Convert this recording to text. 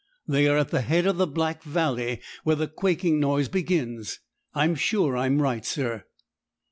They are at the head of the Black Valley, where the quaking noise begins. I'm sure I'm right, sir.'